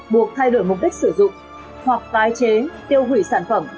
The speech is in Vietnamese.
buộc thay đổi mục đích sử dụng hoặc tái chế tiêu hủy sản phẩm